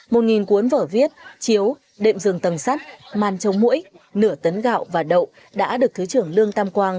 một nghìn cuốn vở viết chiếu đệm dường tầng sắt màn trông mũi nửa tấn gạo và đậu đã được thứ trưởng lương tam quang